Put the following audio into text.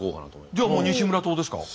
じゃあもう西村塔ですか？